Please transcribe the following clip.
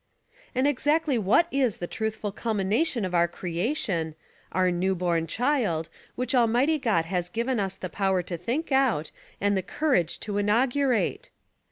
And exactly what is the truthful culmination of our creation, "our new born" child, which Almighty God has given us the power to think out, and the courage to inaugurate?